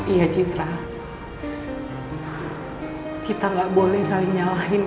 iya citra kita gak boleh saling nyalahin